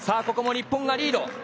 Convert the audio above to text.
ここも日本がリード。